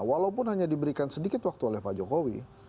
walaupun hanya diberikan sedikit waktu oleh pak jokowi